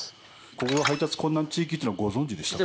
ここが配達困難地域っていうのはご存じでしたか？